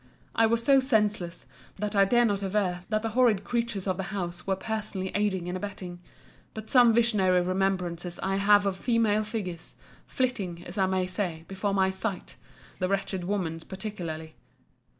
I was so senseless, that I dare not aver, that the horrid creatures of the house were personally aiding and abetting: but some visionary remembrances I have of female figures, flitting, as I may say, before my sight; the wretched woman's particularly.